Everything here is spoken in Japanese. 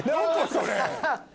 それ。